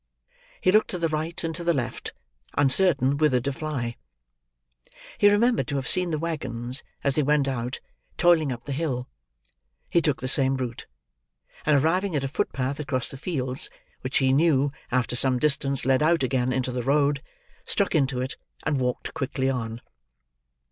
He looked to the right and to the left, uncertain whither to fly. He remembered to have seen the waggons, as they went out, toiling up the hill. He took the same route; and arriving at a footpath across the fields: which he knew, after some distance, led out again into the road; struck into it, and walked quickly on.